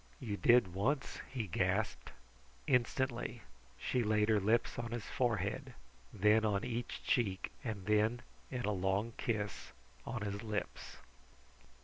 "You did once," he gasped. Instantly she laid her lips on his forehead, then on each cheek, and then in a long kiss on his lips.